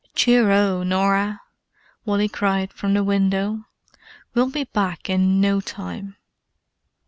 "Cheero, Norah!" Wally cried from the window. "We'll be back in no time!"